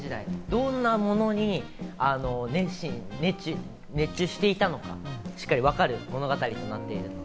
どんなものに熱中していたのか、しっかりわかる物語となっております。